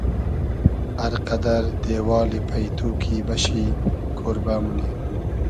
ار قئدئر دېوالی پݷتو کی بئشی کۉربۂ مونی